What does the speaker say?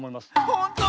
ほんと？